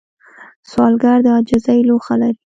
سوالګر د عاجزۍ لوښه لري